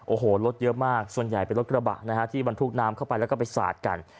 โอ้โหรถเยอะมากส่วนใหญ่เป็นรถกระบะนะฮะที่บรรทุกน้ำเข้าไปแล้วก็ไปสาดกัน